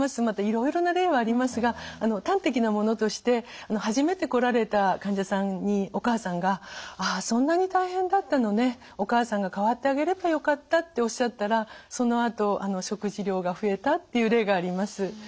またいろいろな例はありますが端的なものとして初めて来られた患者さんにお母さんが「ああそんなに大変だったのねお母さんが代わってあげればよかった」っておっしゃったらそのあと食事量が増えたっていう例があります。